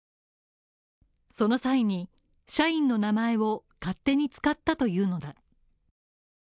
その際に、社員の名前を勝手に使ったというのだ。